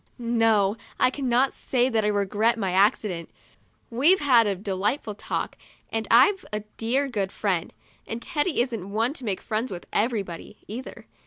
No, I cannot say that I regret my accident. We've had a delightful talk and I've a dear good friend. And Teddy isn't one to make friends with everybody, either.